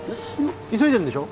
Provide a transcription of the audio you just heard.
急いでんでしょ？